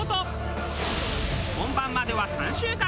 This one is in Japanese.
本番までは３週間。